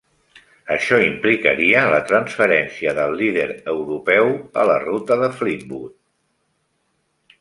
Això implicaria la transferència del "Líder Europeu" a la ruta de Fleetwood.